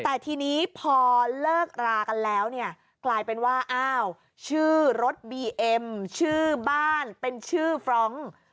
แต่ทีนี้พอเลิกรากันแล้วเนี่ยกลายเป็นว่าอ้าวชื่อรถบีเอ็มชื่อบ้านเป็นชื่อฟรองก์